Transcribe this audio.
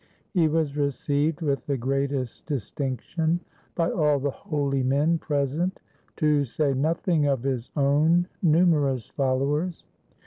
He was received with the greatest distinction by all the holy men pre sent, to say nothing of his own numerous followers.